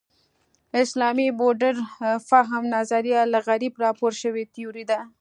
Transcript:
اسلامي مډرن فهم نظریه له غرب راپور شوې تیوري ده.